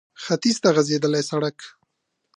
ختيځ ته غځېدلی سړک